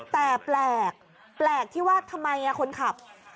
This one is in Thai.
แต่แปลกแปลกที่ว่าทำไมคนขับ